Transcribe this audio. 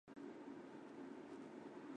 太史第遗址的历史年代为清代。